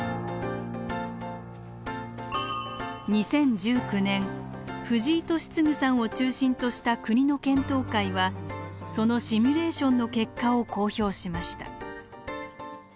２０１９年藤井敏嗣さんを中心とした国の検討会はそのシミュレーションの結果を公表しました。